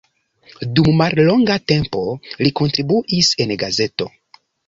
Dum mallonga tempo li kontribuis en gazeto.